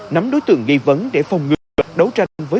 nắm đối tượng nghi vấn để phòng người